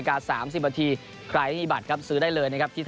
ใครที่มีบัตรครับซื้อได้เลยนะครับ